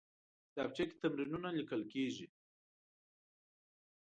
کتابچه کې تمرینونه لیکل کېږي